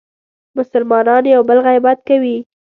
مسلمانان یو بل غیبت کوي.